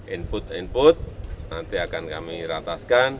input input nanti akan kami rataskan